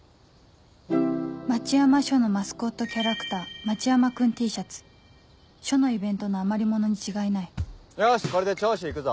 町山署のマスコットキャラクター町山くん Ｔ シャツ署のイベントの余り物に違いないよしこれで聴取行くぞ。